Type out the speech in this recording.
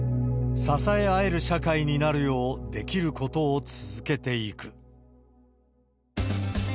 支え合える社会になるよう、できることを続けていく。